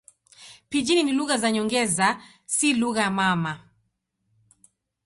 Pijini ni lugha za nyongeza, si lugha mama.